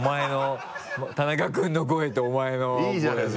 田中君の声とお前の声で。